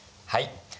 はい。